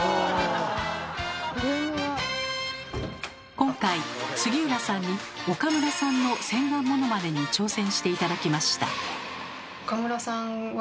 今回杉浦さんに岡村さんの洗顔ものまねに挑戦して頂きました。